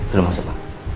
udah masuk pak